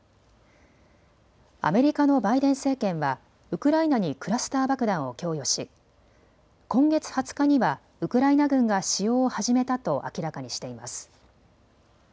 アメリカのバイデン政権はウクライナにクラスター爆弾を供与し今月２０日にはウクライナ軍が使用を始めたと明らかにしています。